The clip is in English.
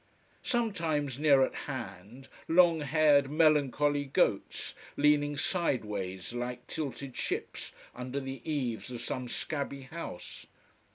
Sometimes near at hand, long haired, melancholy goats leaning sideways like tilted ships under the eaves of some scabby house.